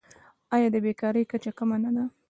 آیا د بیکارۍ کچه کمه نه ده؟